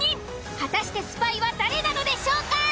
果たしてスパイは誰なのでしょうか？